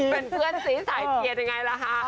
เป็นเพื่อนสีสายเพียนยังไงล่ะฮะ